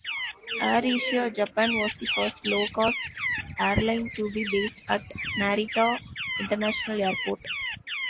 AirAsia Japan was the first low-cost airline to be based at Narita International Airport.